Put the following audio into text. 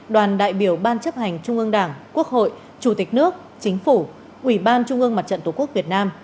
đoàn đại biểu ban chấp hành trung ương đảng quốc hội chủ tịch nước chính phủ ủy ban trung ương mặt trận tổ quốc việt nam